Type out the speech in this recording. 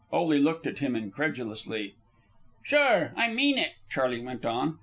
Ole looked at him incredulously. "Sure, I mean it," Charley went on.